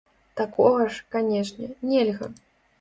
Такога ж, канечне, нельга!